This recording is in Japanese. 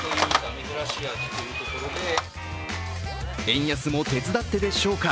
円安も手伝ってでしょうか？